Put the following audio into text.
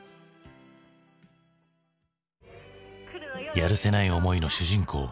やるせない思いの主人公。